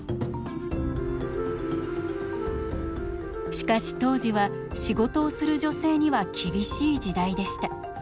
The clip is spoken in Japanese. しかし当時は仕事をする女性には厳しい時代でした。